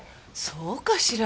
そうかしら？